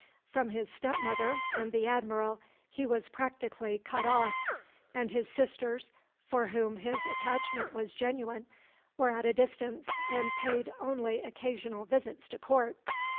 From his step mother and the Admiral he was practically cut off; and his sisters, for whom his attachment was genuine, were at a distance, and paid only occasional visits to Court.